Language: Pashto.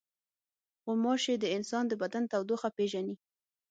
غوماشې د انسان د بدن تودوخه پېژني.